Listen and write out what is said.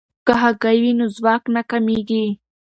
که هګۍ وي نو ځواک نه کمیږي.